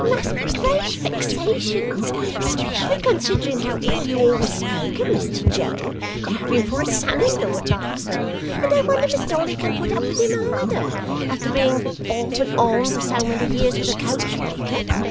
It must be great vexations, 'specially considering how ill you always spoke of Mr Joe to have him for a son in law at last; and I wonder Miss Dolly can put up with him, either, after being off and on for so many years with a coachmaker.